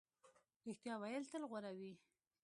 رښتیا ویل تل غوره وي.